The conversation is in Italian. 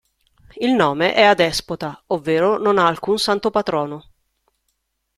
Il nome è adespota, ovvero non ha alcun santo patrono.